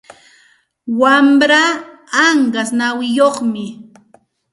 Wamraa anqas nawiyuqmi.